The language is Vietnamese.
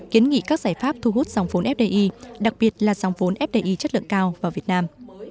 kiến nghị các giải pháp thu hút dòng vốn fdi đặc biệt là dòng vốn fdi chất lượng cao vào việt nam